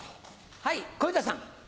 はい小遊三さん。